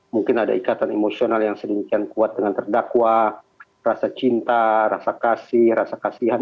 mungkin ada ikatan emosional yang sedemikian kuat dengan terdakwa rasa cinta rasa kasih rasa kasihan